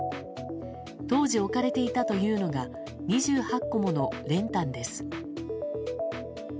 当時、置かれていたというのが２８個もの練炭です。